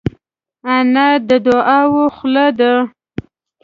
انا د دعاوو خوله ده